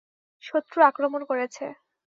শত্রু আক্রমণ করেছে!